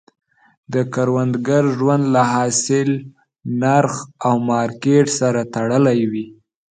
د کروندګر ژوند له حاصل، نرخ او مارکیټ سره تړلی وي.